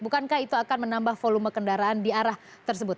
bukankah itu akan menambah volume kendaraan di arah tersebut